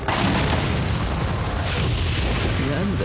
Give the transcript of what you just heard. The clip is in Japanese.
何だ？